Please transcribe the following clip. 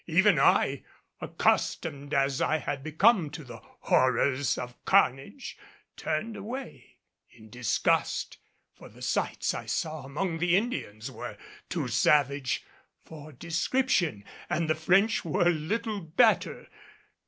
Even I, accustomed as I had become to the horrors of carnage, turned away in disgust, for the sights I saw among the Indians were too savage for description, and the French were little better.